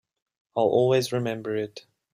I'll always remember it.